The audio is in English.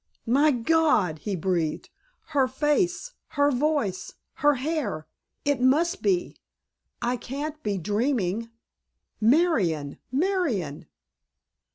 "My God!" he breathed. "Her face—her voice—her hair! It must be—I can't be dreaming—Marion, Marion!"